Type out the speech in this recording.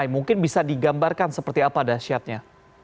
mungkin bisa digambarkan seperti apa dahsyatnya